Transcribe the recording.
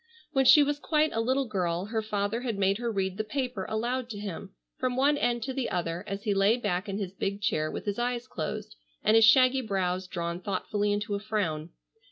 When she was quite a little girl her father had made her read the paper aloud to him, from one end to the other, as he lay back in his big chair with his eyes closed and his shaggy brows drawn thoughtfully into a frown.